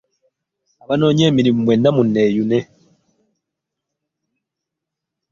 Abanoonya emirimu mwenna munneeyune.